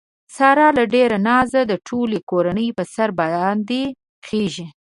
ساره له ډېره نازه د ټولې کورنۍ په سر باندې خېژي.